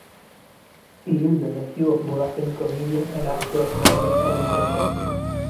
He is the nephew of Moroccan comedian and actor Mohamed El Jem.